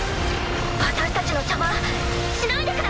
私たちの邪魔しないでください。